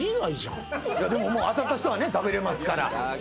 当たった人は食べれますから。